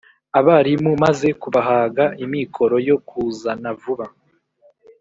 Abarimu maze kubahaga Imikoro yo ku zana vuba